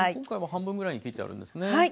今回は半分ぐらいに切ってあるんですね。